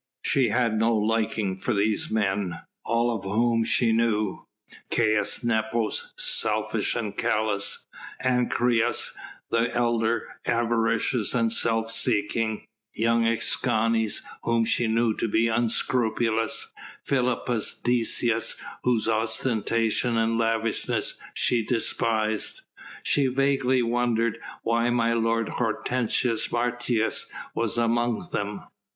She had no liking for these men, all of whom she knew. Caius Nepos, selfish and callous; Ancyrus, the elder, avaricious and self seeking; young Escanes whom she knew to be unscrupulous; Philippus Decius whose ostentation and lavishness she despised. She vaguely wondered why my lord Hortensius Martius was among them.